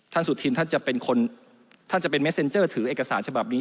สุธินท่านจะเป็นคนถ้าจะเป็นเมสเซ็นเจอร์ถือเอกสารฉบับนี้